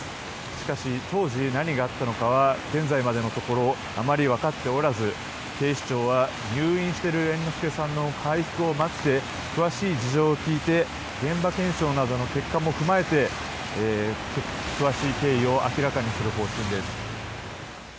しかし当時、何があったのかは現在までのところあまり分かっておらず警視庁は入院している猿之助さんの回復を待って詳しい事情を聴いて現場検証などの結果も踏まえて詳しい経緯を明らかにする方針です。